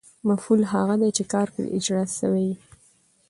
مفعول هغه دئ، چي کار پر اجراء سوی يي.